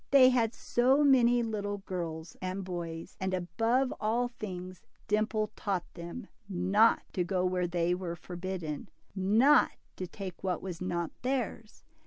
They had many little boys and girls, and above all things Dimple taught them, — Not to go where they were forbidden. Not to take what was not theirs.